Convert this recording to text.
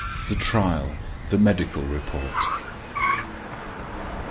THE TRIAL THE MEDICAL REPORT.